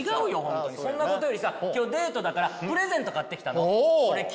ホントにそんなことよりさ今日デートだからプレゼント買ってきたの。